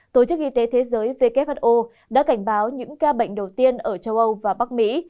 tổ chức y tế thế giới who đã cảnh báo những ca bệnh đầu tiên ở châu âu và bắc mỹ